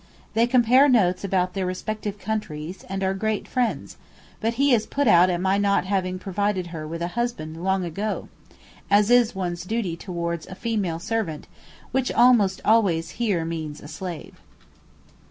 They compare notes about their respective countries and are great friends; but he is put out at my not having provided her with a husband long ago, as is one's duty towards a 'female servant,' which almost always here means a slave.